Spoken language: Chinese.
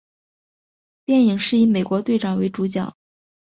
电影是以美国队长为主角。